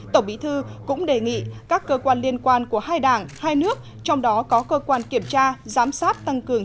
tổng bí thư cũng đề nghị các cơ quan liên quan của hai đảng hai nước trong đó có cơ quan kiểm tra giám sát